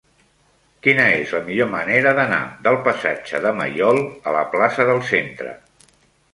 Quina és la millor manera d'anar del passatge de Maiol a la plaça del Centre?